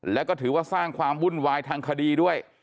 แล้วก็ถือว่าสร้างความวุ่นวายทางคดีด้วย